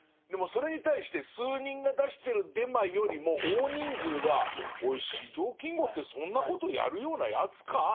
でもそれに対して数人が出してるデマよりも大人数が「おい四条金吾ってそんなことやるようなやつか？」